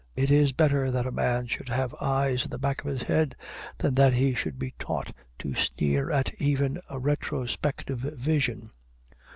It is better that a man should have eyes in the back of his head than that he should be taught to sneer at even a retrospective vision.